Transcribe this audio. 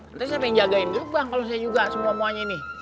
nanti siapa yang jagain dulu bang kalau saya juga semua muanya nih